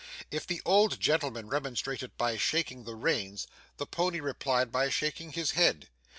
If the old gentleman remonstrated by shaking the reins, the pony replied by shaking his head.